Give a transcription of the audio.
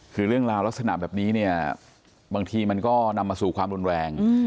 คือเรื่องราวลักษณะแบบนี้เนี่ยบางทีมันก็นำมาสู่ความรุนแรง